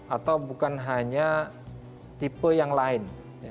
atau bukan hanya tipe yang lain